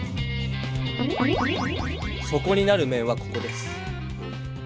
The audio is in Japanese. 底になる面はここです。